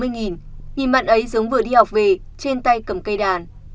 nhìn mặn ấy giống vừa đi học về trên tay cầm cây đàn